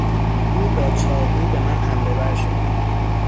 او با چاقو به من حملهور شد.